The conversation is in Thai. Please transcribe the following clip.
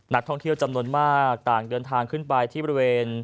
นักท่องเที่ยวจำนวนมากต่างเดินทางขึ้นไปที่บริเวณ